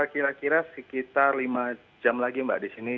kira kira sekitar lima jam lagi mbak di sini